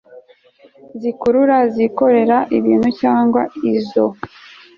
zikurura izikorera ibintu cyangwa izo